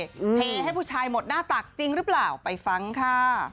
เทให้ผู้ชายหมดหน้าตักจริงหรือเปล่าไปฟังค่ะ